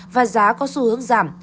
và giá có xu hướng giảm